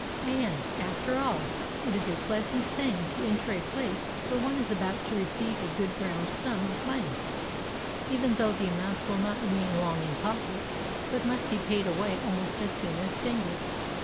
And, after all, it is a pleasant thing to enter a place where one is about to receive a good round sum of money, even though the amount will not remain long in pocket, but must be paid away almost as soon as fingered.